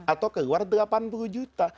atau keluar delapan puluh juta